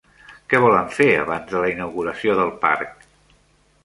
Què volen fer abans de la inauguració del parc?